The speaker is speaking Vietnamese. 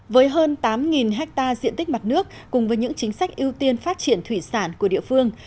với hơn tám hectare diện tích mặt nước cùng với những chính sách ưu tiên phát triển thủy sản của địa phương